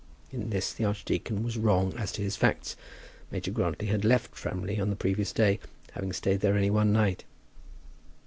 In this the archdeacon was wrong as to his facts. Major Grantly had left Framley on the previous day, having stayed there only one night.